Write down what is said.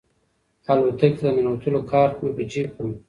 الوتکې ته د ننوتلو کارت مې په جیب کې و.